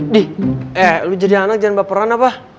dih eh lo jadi anak jangan baperan apa